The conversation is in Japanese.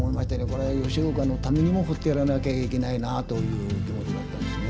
これは吉岡のためにも掘ってやらなきゃいけないなあという気持ちだったですね。